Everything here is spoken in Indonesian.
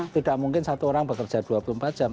tidak mungkin satu orang bekerja dua puluh empat jam